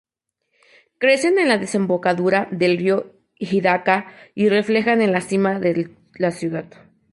Crecen en la desembocadura del río Hidaka y reflejan el clima de la ciudad.